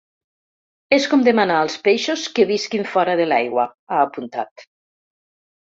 És com demanar als peixos que visquin fora de l’aigua, ha apuntat.